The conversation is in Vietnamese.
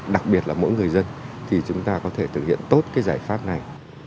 đặc biệt là mỗi người dân thì chúng ta có thể thực hiện tốt cái giải pháp này